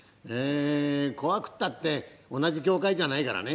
怖くったって同じ協会じゃないからね。